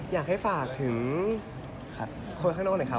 อยากให้ฝากถึงคนข้างนอกหน่อยครับ